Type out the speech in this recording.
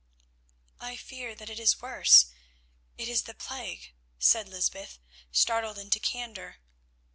"I fear that it is worse; it is the plague," said Lysbeth, startled into candour.